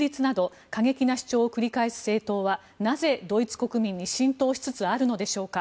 移民阻止やＥＵからの独立など過激な主張を繰り返す政党はなぜ、ドイツ国民に浸透しつつあるのでしょうか。